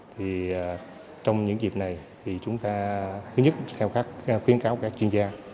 thì trong những dịp này thì chúng ta thứ nhất theo khuyến cáo các chuyên gia